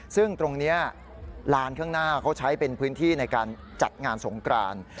ซึ่งตรงนี้ลานข้างหน้าเขาใช้เป็นพื้นที่ในการจัดงานสงกราน